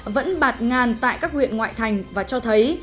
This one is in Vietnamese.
vẫn bạt ngàn tại các huyện ngoại thành và cho thấy